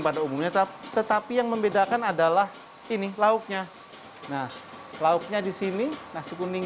pada umumnya tetap tetapi yang membedakan adalah ini lauknya nah lauknya di sini nasi kuning